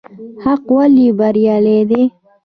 حق ولې بريالی دی؟